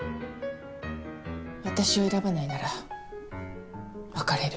私を選ばないなら別れる。